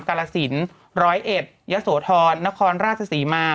กาลสินร้อยเอ็ดยะโสธรนครราชศรีมา